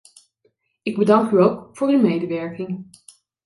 Ik bedank u ook voor uw medewerking.